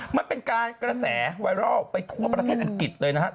มันเป็นการกระแสไวรัลไปทั่วประเทศอังกฤษเลยนะครับ